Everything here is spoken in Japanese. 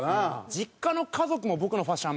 実家の家族も僕のファッション